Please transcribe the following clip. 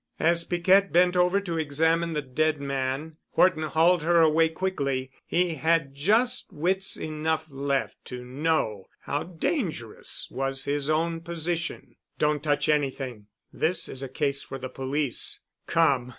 As Piquette bent over to examine the dead man, Horton hauled her away quickly. He had just wits enough left to know how dangerous was his own position. "Don't touch anything—this is a case for the police. Come."